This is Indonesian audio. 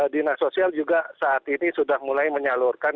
dinas sosial juga saat ini sudah mulai menyalurkan